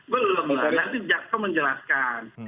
belum lah nanti jatuh menjelaskan